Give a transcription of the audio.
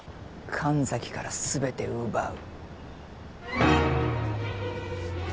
神崎から全て奪う。